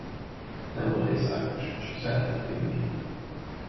Nem volt iszákos, csak szeretett inni.